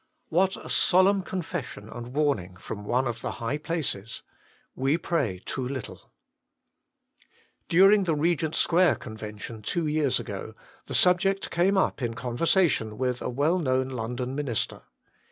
What a solemn confession and warning from one of the high places : We pray too little ! During the Eegent Square Convention two years ago the subject came up in conversation with a well known London minister.